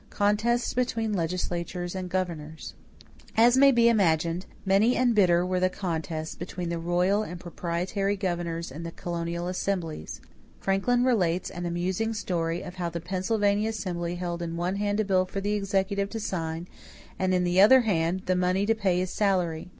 =Contests between Legislatures and Governors.= As may be imagined, many and bitter were the contests between the royal and proprietary governors and the colonial assemblies. Franklin relates an amusing story of how the Pennsylvania assembly held in one hand a bill for the executive to sign and, in the other hand, the money to pay his salary.